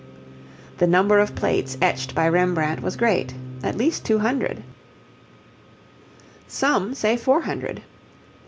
The number of plates etched by Rembrandt was great, at least two hundred; some say four hundred.